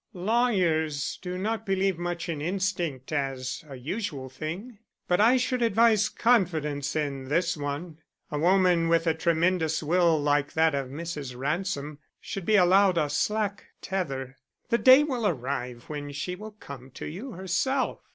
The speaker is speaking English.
"Lawyers do not believe much in instinct as a usual thing, but I should advise confidence in this one. A woman with a tremendous will like that of Mrs. Ransom should be allowed a slack tether. The day will arrive when she will come to you herself.